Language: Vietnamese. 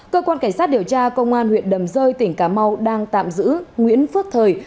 cơ quan cảnh sát điều tra công an huyện đầm rơi tỉnh cà mau đang tạm giữ nguyễn phước thời